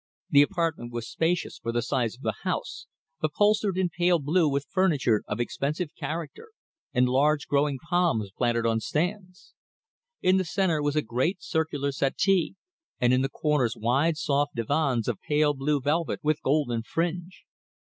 The apartment was spacious for the size of the house, upholstered in pale blue with furniture of expensive character, and large growing palms placed on stands. In the centre was a great circular settee, and in the corners wide soft divans of pale blue velvet with golden fringe.